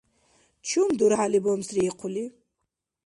Чум дурхӀяли бамсри ихъули?